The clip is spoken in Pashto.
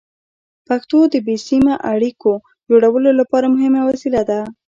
پښتو د بې سیمه اړیکو جوړولو لپاره مهمه وسیله ده.